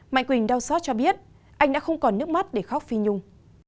mạnh quỳnh đau xót cho biết anh đã không còn nước mắt để khóc phi nhung